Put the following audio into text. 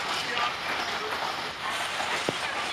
该物种的模式产地在广西金秀。